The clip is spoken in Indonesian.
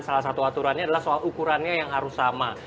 salah satu aturannya adalah soal ukurannya yang harus sama